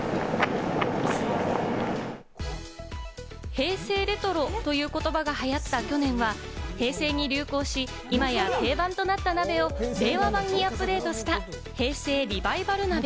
「平成レトロ」という言葉が流行った去年は平成に流行し、今や定番となった鍋を令和版にアップデートした平成リバイバル鍋。